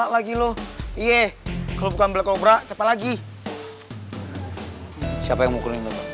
lagi loh iya kalau bukan black cobra siapa lagi